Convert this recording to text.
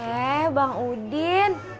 eh bang udin